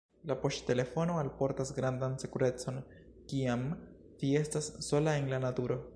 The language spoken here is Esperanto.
La poŝtelefono alportas grandan sekurecon, kiam vi estas sola en la naturo.